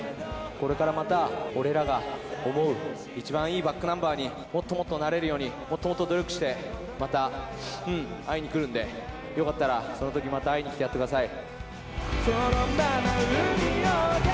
これからまた、俺らが思う一番いいｂａｃｋｎｕｍｂｅｒにもっともっとなれるように、もっともっと努力して、また、会いに来るんで、よかったら、そのときまた会いに来てやってください。